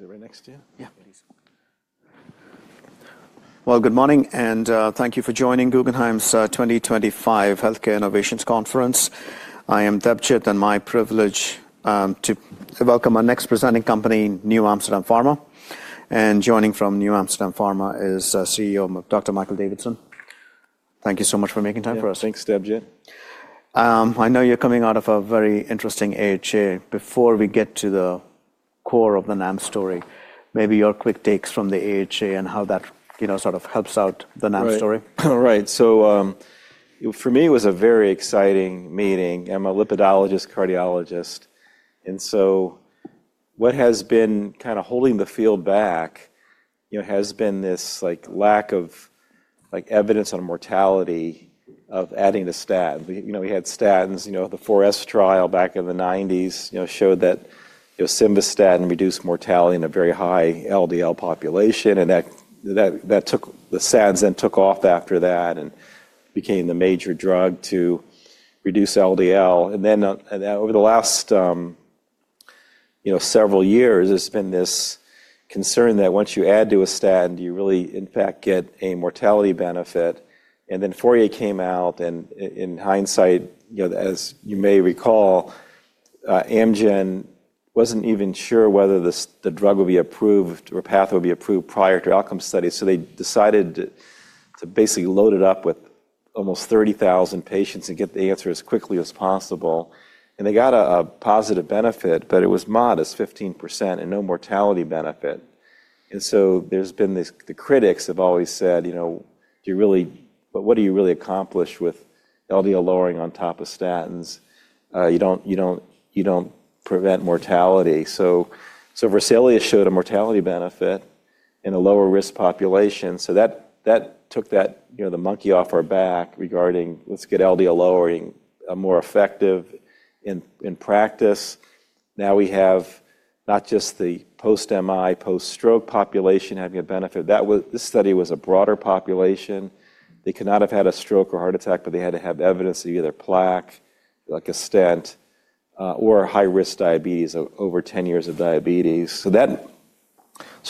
Is it right next to you? Yeah. Well, good morning, and thank you for joining Guggenheim's 2025 Healthcare Innovations Conference. I am Debcet, and my privilege to welcome our next presenting company, NewAmsterdam Pharma. And joining from NewAmsterdam Pharma is CEO Dr. Michael Davidson. Thank you so much for making time for us. Thanks, Debcet. I know you're coming out of a very interesting AHA. Before we get to the core of the NAM story, maybe your quick takes from the AHA and how that sort of helps out the NAM story. All right. So for me, it was a very exciting meeting. I'm a lipidologist, cardiologist. And so what has been kind of holding the field back has been this lack of evidence on mortality of adding to statins. We had statins, the 4S trial back in the '90s showed that simvastatin reduced mortality in a very high LDL population. And that took the statins then took off after that and became the major drug to reduce LDL. And then over the last several years, there's been this concern that once you add to a statin, you really, in fact, get a mortality benefit. And then Fourier came out. And in hindsight, as you may recall, Amgen wasn't even sure whether the drug would be approved or path would be approved prior to outcome studies. So they decided to basically load it up with almost 30,000 patients and get the answer as quickly as possible. And they got a positive benefit, but it was modest, 15%, and no mortality benefit. And so there's been the critics have always said, what do you really accomplish with LDL lowering on top of statins? You don't prevent mortality. So VESALIUS showed a mortality benefit in a lower risk population. So that took the monkey off our back regarding, let's get LDL lowering more effective in practice. Now we have not just the post-MI, post-stroke population having a benefit. This study was a broader population. They could not have had a stroke or heart attack, but they had to have evidence of either plaque, like a stent, or high-risk diabetes, over 10 years of diabetes. So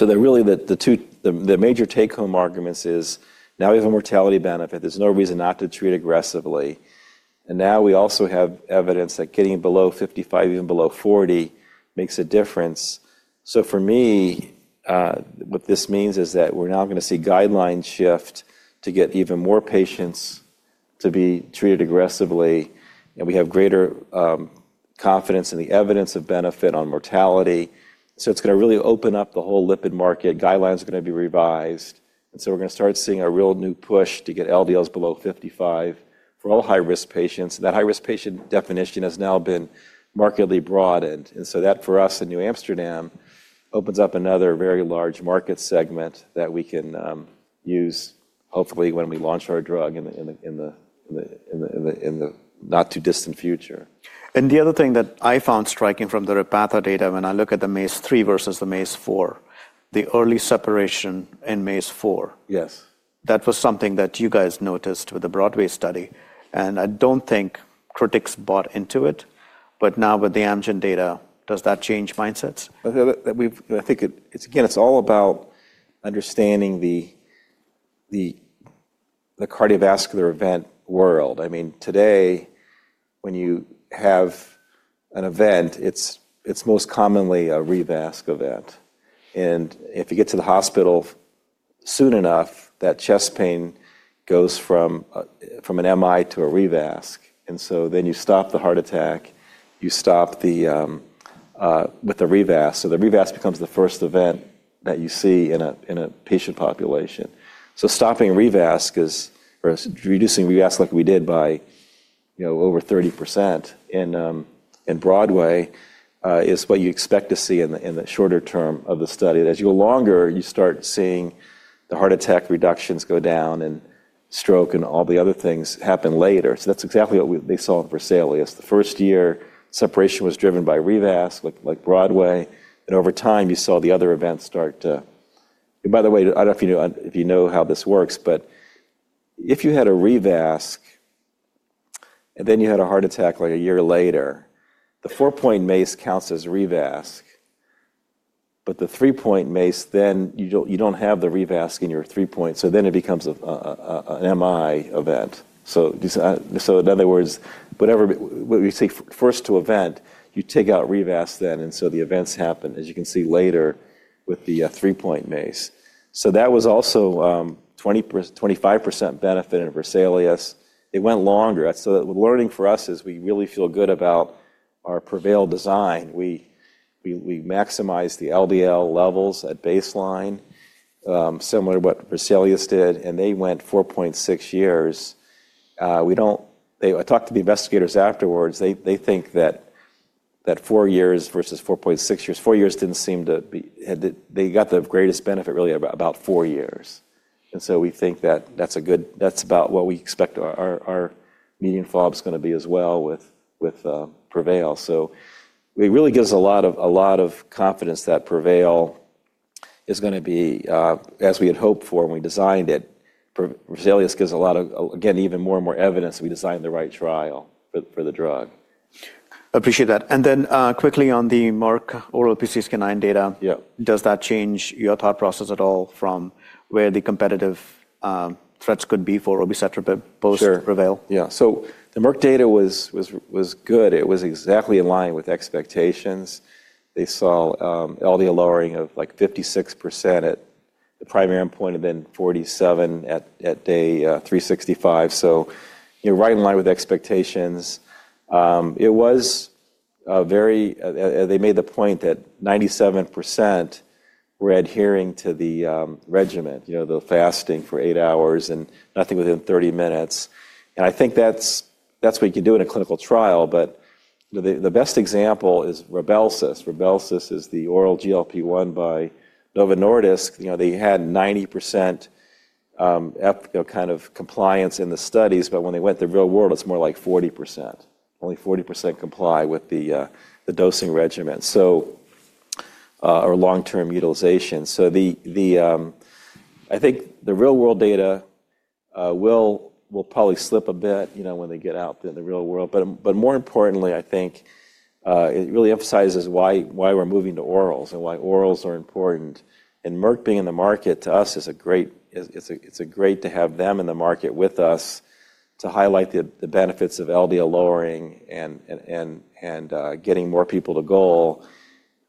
really, the major take-home arguments is now we have a mortality benefit. There's no reason not to treat aggressively. And now we also have evidence that getting below 55, even below 40, makes a difference. So for me, what this means is that we're now going to see guidelines shift to get even more patients to be treated aggressively. And we have greater confidence in the evidence of benefit on mortality. So it's going to really open up the whole lipid market. Guidelines are going to be revised. And so we're going to start seeing a real new push to get LDLs below 55 for all high-risk patients. And that high-risk patient definition has now been markedly broadened. And so that for us in NewAmsterdam opens up another very large market segment that we can use, hopefully, when we launch our drug in the not-too-distant future. And the other thing that I found striking from the Repatha data when I look at the MACE-3 versus the MACE-4, the early separation in MACE-4. Yes. That was something that you guys noticed with the BROADWAY study. And I don't think critics bought into it. But now with the Amgen data, does that change mindsets? I think, again, it's all about understanding the cardiovascular event world. I mean, today, when you have an event, it's most commonly a revascular event. And if you get to the hospital soon enough, that chest pain goes from an MI to a revascular. And so then you stop the heart attack. You stop with the revascular. So the revascular becomes the first event that you see in a patient population. So stopping revascular or reducing revascular, like we did by over 30% in BROADWAY, is what you expect to see in the shorter term of the study. As you go longer, you start seeing the heart attack reductions go down and stroke and all the other things happen later. So that's exactly what they saw in VESALIUS. The first year, separation was driven by revascular, like BROADWAY. Over time, you saw the other events start to, by the way, I don't know if you know how this works, but if you had a revascularization and then you had a heart attack like a year later, the four-point MACE counts as revascularization. But the three-point MACE, then you don't have the revascularization in your three-point. Then it becomes an MI event. In other words, whatever we take first to event, you take out revascularization then. The events happen, as you can see later, with the three-point MACE. That was also 25% benefit in VESALIUS. It went longer. The learning for us is we really feel good about our PREVAIL design. We maximized the LDL levels at baseline, similar to what VESALIUS did. They went 4.6 years. I talked to the investigators afterwards. They think that four years versus 4.6 years, four years didn't seem to be they got the greatest benefit really about four years. And so we think that that's about what we expect our median follow-up is going to be as well with PREVAIL. So it really gives us a lot of confidence that PREVAIL is going to be, as we had hoped for when we designed it. VESALIUS gives a lot of, again, even more and more evidence we designed the right trial for the drug. Appreciate that. And then quickly on the Merck oral episioskinine data, does that change your thought process at all from where the competitive threats could be for obicetrapib post-PREVAIL? Sure. Yeah. So the Merck data was good. It was exactly in line with expectations. They saw LDL lowering of like 56% at the primary endpoint and then 47 at day 365. So right in line with expectations. It was very, they made the point that 97% were adhering to the regimen, the fasting for eight hours and nothing within 30 minutes. And I think that's what you can do in a clinical trial. But the best example is RYBELSUS. RYBELSUS is the oral GLP-1 by Novo Nordisk. They had 90% kind of compliance in the studies. But when they went to the real world, it's more like 40%. Only 40% comply with the dosing regimen or long-term utilization. So I think the real-world data will probably slip a bit when they get out in the real world. More importantly, I think it really emphasizes why we're moving to orals and why orals are important. Merck being in the market to us is a great, it's great to have them in the market with us to highlight the benefits of LDL lowering and getting more people to goal.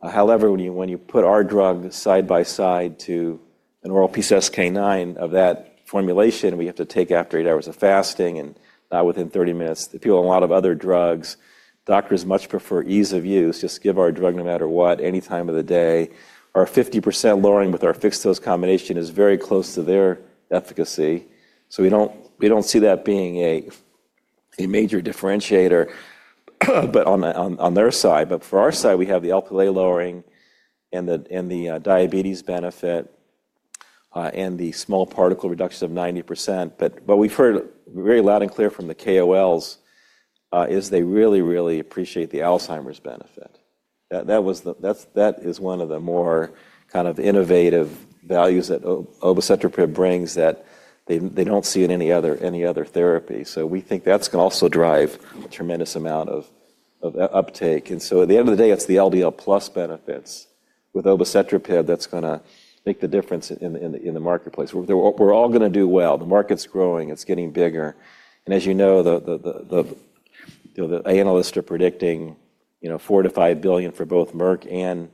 However, when you put our drug side by side to an oral PCSK9 of that formulation, we have to take after eight hours of fasting and not within 30 minutes. If you have a lot of other drugs, doctors much prefer ease of use, just give our drug no matter what, any time of the day. Our 50% lowering with our fixed dose combination is very close to their efficacy. So we don't see that being a major differentiator on their side. For our side, we have the Lp(a) lowering and the diabetes benefit and the small particle reduction of 90%. What we've heard very loud and clear from the KOLs is they really, really appreciate the Alzheimer's benefit. That is one of the more kind of innovative values that obicetrapib brings that they don't see in any other therapy. So we think that's going to also drive a tremendous amount of uptake. And so at the end of the day, it's the LDL plus benefits with obicetrapib that's going to make the difference in the marketplace. We're all going to do well. The market's growing. It's getting bigger. And as you know, the analysts are predicting $4 billion-$5 billion for both Merck and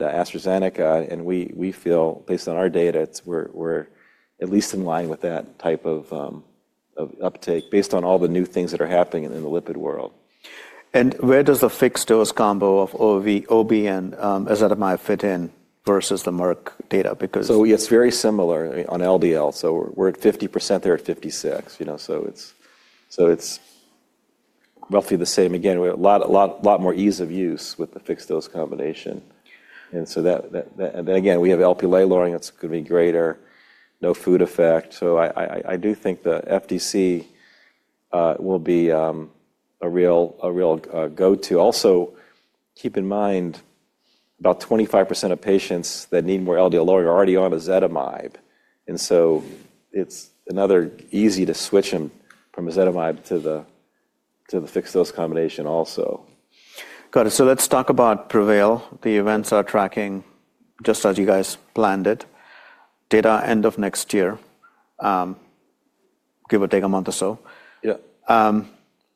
AstraZeneca. And we feel, based on our data, we're at least in line with that type of uptake based on all the new things that are happening in the lipid world. And where does the fixed dose combo of OB and ezetimibe fit in versus the Merck data? So it's very similar on LDL. So we're at 50%. They're at 56. So it's roughly the same. Again, a lot more ease of use with the fixed dose combination. And so again, we have LPLA lowering. It's going to be greater. No food effect. So I do think the FDC will be a real go-to. Also, keep in mind about 25% of patients that need more LDL lowering are already on ezetimibe. And so it's another easy to switch them from ezetimibe to the fixed dose combination also. Got it. So let's talk about PREVAIL. The events are tracking just as you guys planned it. Data end of next year, give or take a month or so. Yeah.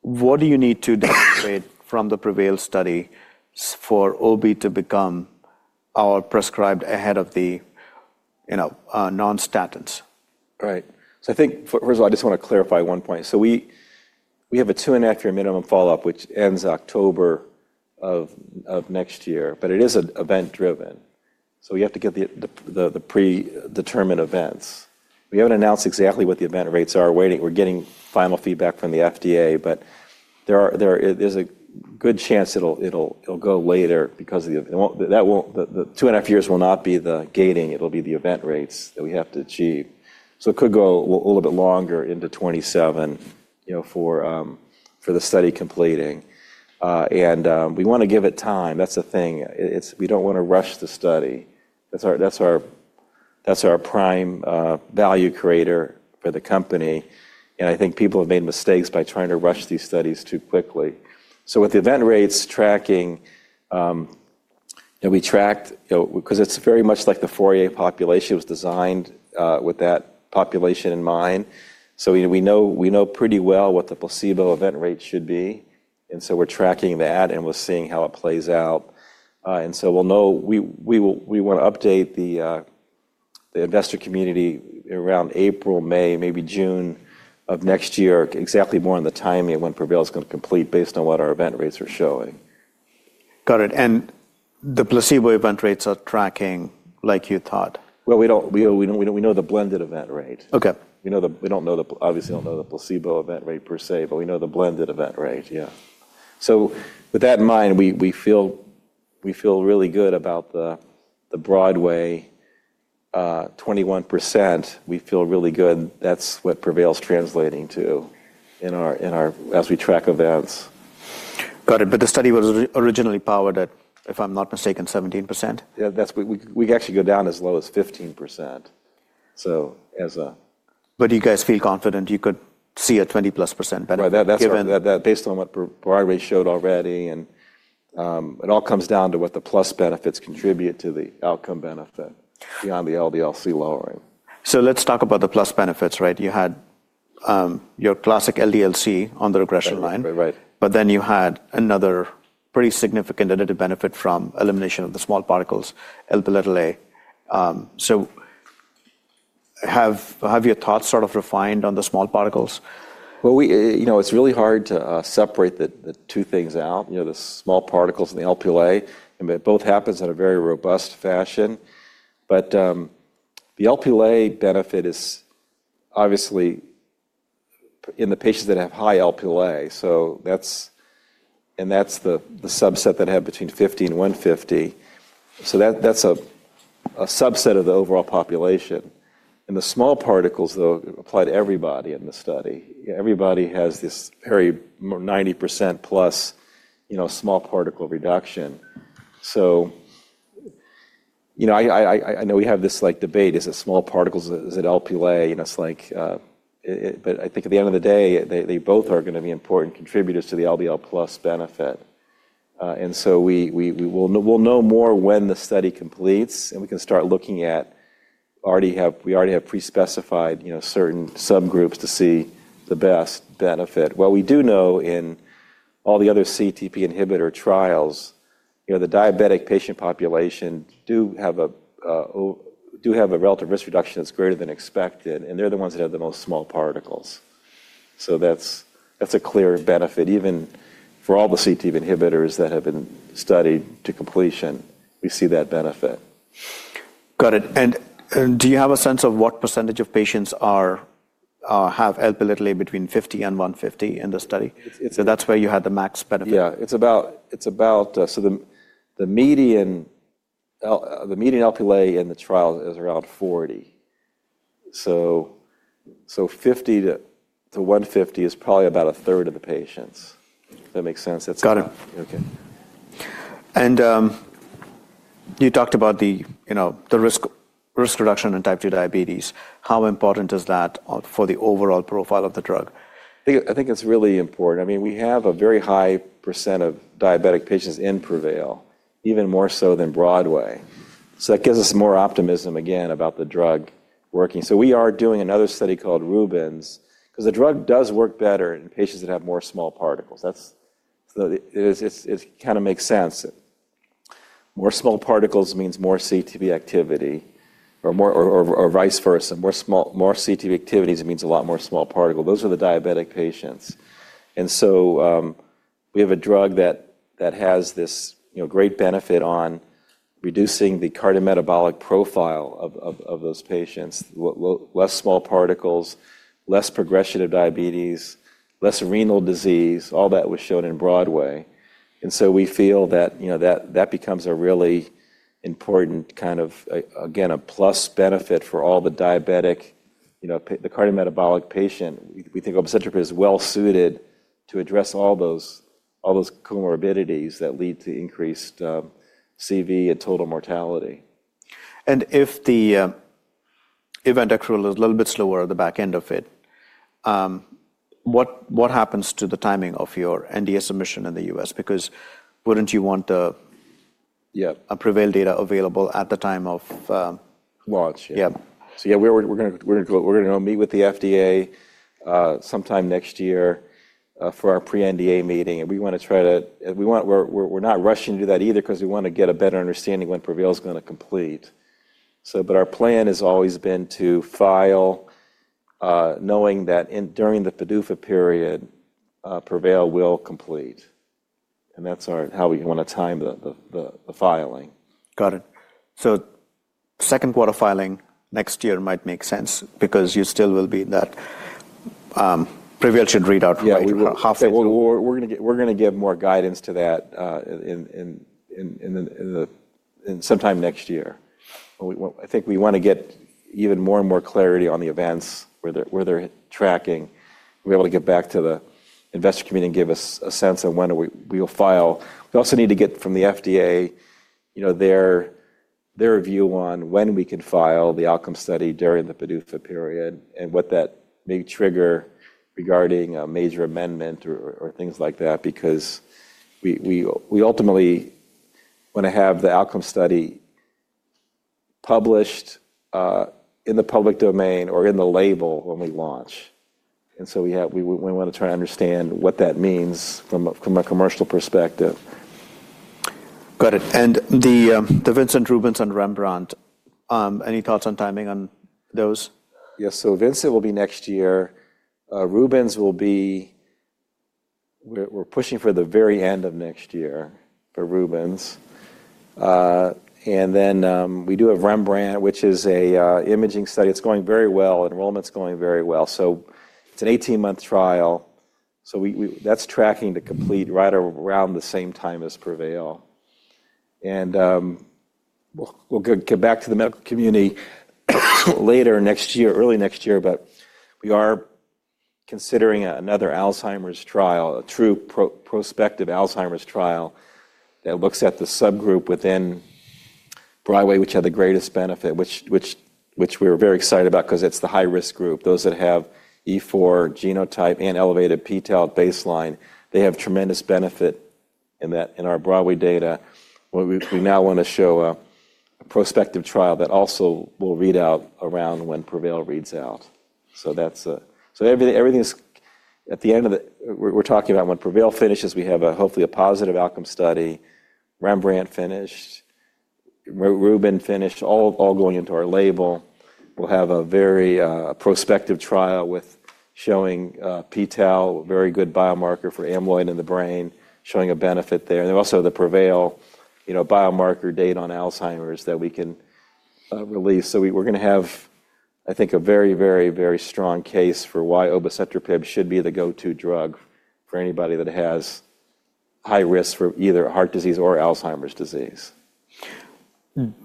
What do you need to demonstrate from the PREVAIL study for OB to become our prescribed ahead of the non-statin? Right. So I think, first of all, I just want to clarify one point. So we have a two-and-a-half-year minimum follow-up, which ends October of next year. But it is event-driven. So we have to get the predetermined events. We haven't announced exactly what the event rates are. We're getting final feedback from the FDA. But there is a good chance it'll go later because the two-and-a-half years will not be the gating. It'll be the event rates that we have to achieve. So it could go a little bit longer into 2027 for the study completing. And we want to give it time. That's the thing. We don't want to rush the study. That's our prime value creator for the company. And I think people have made mistakes by trying to rush these studies too quickly. So with the event rates tracking, we tracked because it's very much like the Fourier population was designed with that population in mind. So we know pretty well what the placebo event rate should be. And so we're tracking that. And we're seeing how it plays out. And so we'll know we want to update the investor community around April, May, maybe June of next year, exactly more on the timing of when PREVAIL is going to complete based on what our event rates are showing. Got it. And the placebo event rates are tracking like you thought? Well, we don't know the blended event rate. Okay. We don't know the, obviously, we don't know the placebo event rate per se. But we know the blended event rate. Yeah. So with that in mind, we feel really good about the BROADWAY 21%. We feel really good. That's what PREVAIL's translating to as we track events. Got it. But the study was originally powered at, if I'm not mistaken, 17%? Yeah. We actually go down as low as 15%. So as a. But you guys feel confident you could see a 20%+ benefit given? That's based on what BROADWAY showed already. And it all comes down to what the plus benefits contribute to the outcome benefit beyond the LDLC lowering. So let's talk about the plus benefits, right? You had your classic LDLC on the regression line. Right, right, right. But then you had another pretty significant additive benefit from elimination of the small particles, LPLA. So have your thoughts sort of refined on the small particles? Well, it's really hard to separate the two things out, the small particles and the LPLA. And it both happens in a very robust fashion. But the LPLA benefit is obviously in the patients that have high LPLA. And that's the subset that have between 50 and 150. So that's a subset of the overall population. And the small particles, though, apply to everybody in the study. Everybody has this very 90%+ small particle reduction. So I know we have this debate, is it small particles, is it LPLA? But I think at the end of the day, they both are going to be important contributors to the LDL plus benefit. And so we'll know more when the study completes. And we can start looking at, we already have pre-specified certain subgroups to see the best benefit. What we do know in all the other CETP inhibitor trials, the diabetic patient population do have a relative risk reduction that's greater than expected. And they're the ones that have the most small particles. So that's a clear benefit. Even for all the CETP inhibitors that have been studied to completion, we see that benefit. Got it. And do you have a sense of what percentage of patients have Lp(a) between 50 and 150 in the study? So that's where you had the max benefit. Yeah. It's about, so the median Lp(a) in the trial is around 40. So 50-150 is probably about a third of the patients. That makes sense. Got it. Okay. You talked about the risk reduction in type 2 diabetes. How important is that for the overall profile of the drug? I think it's really important. I mean, we have a very high % of diabetic patients in PREVAIL, even more so than BROADWAY. So that gives us more optimism, again, about the drug working. So we are doing another study called RUBENS because the drug does work better in patients that have more small particles. It kind of makes sense. More small particles means more CETP activity or vice versa. More CETP activity means a lot more small particles. Those are the diabetic patients. And so we have a drug that has this great benefit on reducing the cardiometabolic profile of those patients, less small particles, less progression of diabetes, less renal disease, all that was shown in BROADWAY. And so we feel that that becomes a really important kind of, again, a plus benefit for all the diabetic, the cardiometabolic patient. We think obicetrapib is well suited to address all those comorbidities that lead to increased CV and total mortality. And if the event actually was a little bit slower at the back end of it, what happens to the timing of your NDA submission in the U.S.? Because wouldn't you want the PREVAIL data available at the time of? Launch, yeah. Yeah. So yeah, we're going to go meet with the FDA sometime next year for our pre-NDA meeting. And we want to try to, we're not rushing to do that either because we want to get a better understanding when PREVAIL is going to complete. But our plan has always been to file knowing that during the FIDUFA period, PREVAIL will complete. And that's how we want to time the filing. Got it. So second quarter filing next year might make sense because you still will be in that PREVAIL should read out. Yeah. We're going to give more guidance to that sometime next year. I think we want to get even more and more clarity on the events where they're tracking. We'll be able to get back to the investor community and give us a sense of when we will file. We also need to get from the FDA their view on when we can file the outcome study during the FIDUFA period and what that may trigger regarding a major amendment or things like that because we ultimately want to have the outcome study published in the public domain or in the label when we launch. And so we want to try to understand what that means from a commercial perspective. Got it. And the VINCENT, RUBENS, and REMBRANDT, any thoughts on timing on those? Yes. So VINCENT will be next year. RUBENS will be, we're pushing for the very end of next year for RUBENS. And then we do have REMBRANDT, which is an imaging study. It's going very well. Enrollment's going very well. So it's an 18-month trial. So that's tracking to complete right around the same time as PREVAIL. And we'll get back to the medical community later next year, early next year. But we are considering another Alzheimer's trial, a true prospective Alzheimer's trial that looks at the subgroup within BROADWAY, which had the greatest benefit, which we're very excited about because it's the high-risk group, those that have E4 genotype and elevated PTAL baseline. They have tremendous benefit in our BROADWAY data. We now want to show a prospective trial that also will read out around when PREVAIL reads out. So everything is at the end of the; we're talking about when PREVAIL finishes. We have hopefully a positive outcome study. REMBRANDT finished. RUBENS finished, all going into our label. We'll have a very prospective trial with showing p-tau, a very good biomarker for amyloid in the brain, showing a benefit there, and there's also the PREVAIL biomarker data on Alzheimer's that we can release, so we're going to have, I think, a very, very, very strong case for why obicetrapib should be the go-to drug for anybody that has high risk for either heart disease or Alzheimer's disease.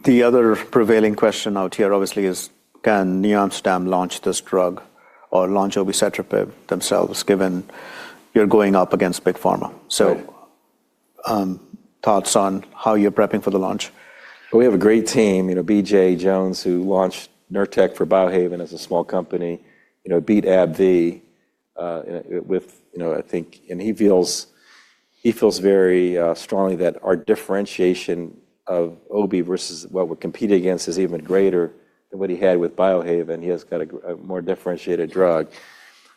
The other prevailing question out here, obviously, is can NewAmsterdam launch this drug or launch obicetrapib themselves given you're going up against Big Pharma? So thoughts on how you're prepping for the launch? We have a great team, BJ Jones, who launched Nurtec for Biohaven as a small company, beat AbbVie with, I think, and he feels very strongly that our differentiation of OB versus what we're competing against is even greater than what he had with Biohaven. He has got a more differentiated drug.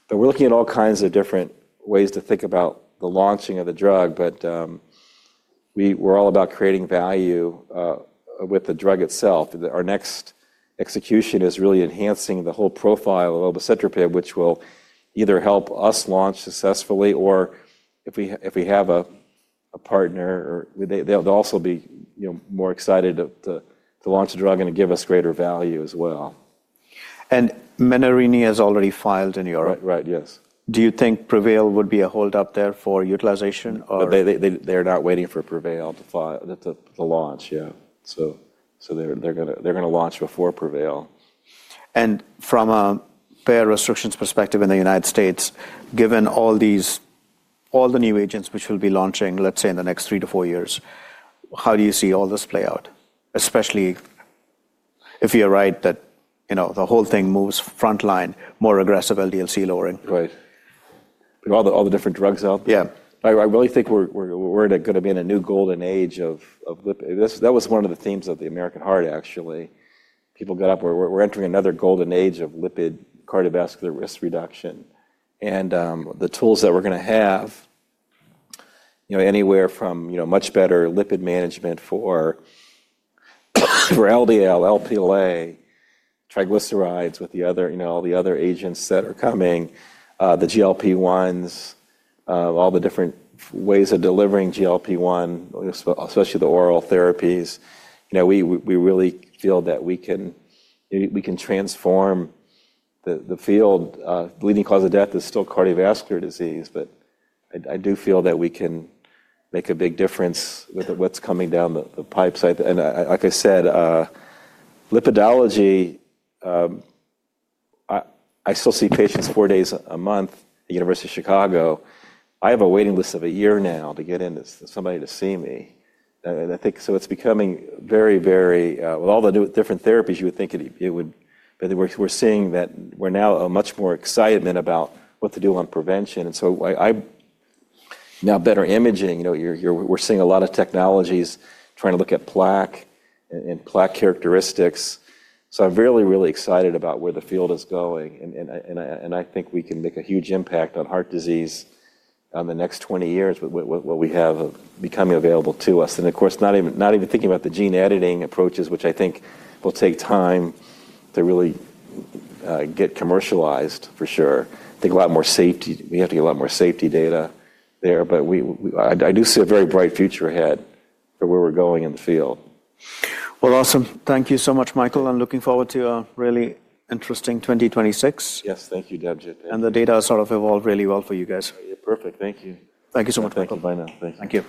We are looking at all kinds of different ways to think about the launching of the drug. We are all about creating value with the drug itself. Our next execution is really enhancing the whole profile of obicetrapib, which will either help us launch successfully or if we have a partner, they'll also be more excited to launch a drug and give us greater value as well. And Menarini has already filed in Europe. Right, right, yes. Do you think PREVAIL would be a holdup there for utilization? They're not waiting for PREVAIL to launch, yeah. So they're going to launch before PREVAIL. And from a payer restrictions perspective in the United States, given all the new agents which will be launching, let's say, in the next three to four years, how do you see all this play out, especially if you're right that the whole thing moves frontline, more aggressive LDLC lowering? Right. All the different drugs out there? Yeah. I really think we're going to be in a new golden age of lipid. That was one of the themes of the American Heart, actually. People got up. We're entering another golden age of lipid cardiovascular risk reduction. And the tools that we're going to have anywhere from much better lipid management for LDL, LPLA, triglycerides with all the other agents that are coming, the GLP-1s, all the different ways of delivering GLP-1, especially the oral therapies. We really feel that we can transform the field. Leading cause of death is still cardiovascular disease. But I do feel that we can make a big difference with what's coming down the pipe. And like I said, lipidology, I still see patients four days a month at the University of Chicago. I have a waiting list of a year now to get somebody to see me. So it's becoming very, very, with all the different therapies, you would think it would, but we're seeing that we're now much more excited about what to do on prevention. And so now better imaging, we're seeing a lot of technologies trying to look at plaque and plaque characteristics. So I'm really, really excited about where the field is going. And I think we can make a huge impact on heart disease in the next 20 years with what we have becoming available to us. And of course, not even thinking about the gene editing approaches, which I think will take time to really get commercialized for sure. I think a lot more safety, we have to get a lot more safety data there. But I do see a very bright future ahead for where we're going in the field. Well, awesome. Thank you so much, Michael. I'm looking forward to a really interesting 2026. Yes. Thank you. The data has sort of evolved really well for you guys. Yeah, perfect. Thank you. Thank you so much, Michael. Bye now. Thank you.